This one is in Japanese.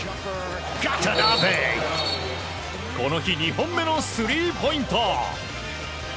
この日２本目のスリーポイント。